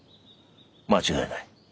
間違いない。